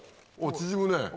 縮むね！